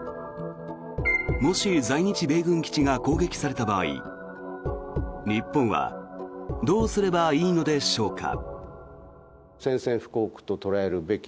もし、在日米軍基地が攻撃された場合日本はどうすればいいのでしょうか。